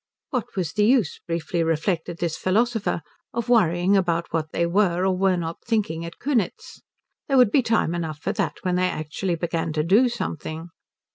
What was the use, briefly reflected this philosopher, of worrying about what they were or were not thinking at Kunitz? There would be time enough for that when they actually began to do something.